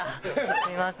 すみません。